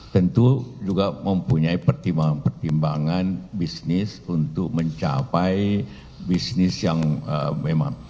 tentu juga mempunyai pertimbangan pertimbangan bisnis untuk mencapai bisnis yang memang